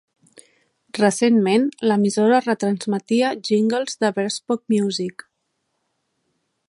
Recentment l'emissora retransmetia jingles de Bespoke Music.